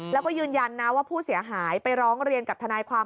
แล้วก็ยืนยันนะว่าผู้เสียหายไปร้องเรียนกับทนายความ